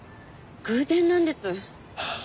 偶然なんです。